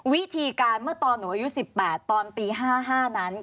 วิธีการเมื่อตอนหนูอายุ๑๘ตอนปี๕๕นั้น